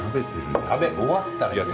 食べ終わったら言えよ。